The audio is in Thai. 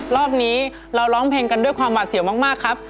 รอบนี้เราร้องเพลงกันด้วยความหวาดเสียวมากครับ